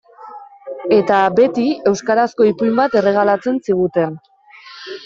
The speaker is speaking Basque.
Eta, beti, euskarazko ipuin bat erregalatzen ziguten.